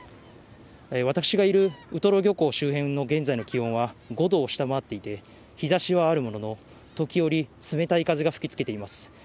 私がいるウトロ漁港周辺の現在の気温は５度を下回っていて、日ざしはあるものの、時折冷たい風が吹き付けています。